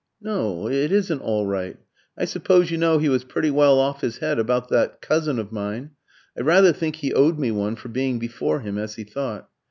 "No, it isn't all right. I suppose you know he was pretty well off his head about that cousin of mine? I rather think he owed me one for being before him, as he thought.